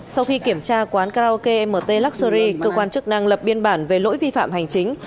sau khi kiểm tra quán karaoke mt luxury cơ quan chức năng lập biên bản về lỗi vi phạm hành chính